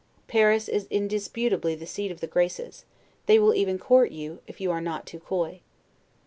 Paris is indisputably the seat of the GRACES; they will even court you, if you are not too coy.